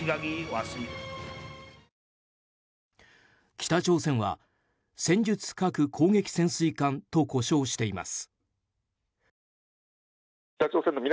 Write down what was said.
北朝鮮は戦術核攻撃潜水艦と呼称しています。